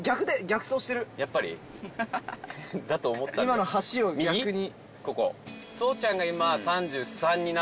今の橋を逆に。